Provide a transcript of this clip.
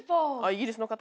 イギリスの方？